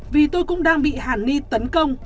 vì tôi cũng đang bị hàn ni tấn công